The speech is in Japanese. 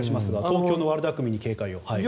「東京の悪だくみに警戒を」。